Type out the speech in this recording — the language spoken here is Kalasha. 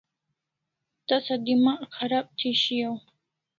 Tasa demagh kharab thi shiau